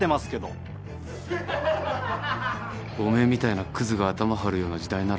おめえみたいなクズがアタマはるような時代ならよ